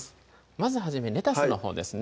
まず初めにレタスのほうですね